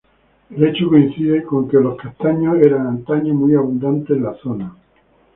El hecho coincide con que los castaños eran antaño muy abundantes en la zona.